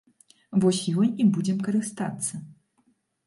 Вось ёй і будзем карыстацца.